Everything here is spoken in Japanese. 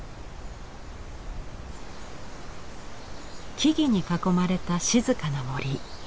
木々に囲まれた静かな森。